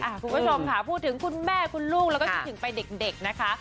คุณผู้ชมค่ะพูดถึงคุณแม่คุณลูกแล้วก็คิดถึงไปเด็กนะคะ